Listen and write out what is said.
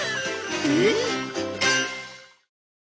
えっ？